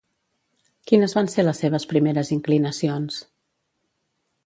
Quines van ser les seves primeres inclinacions?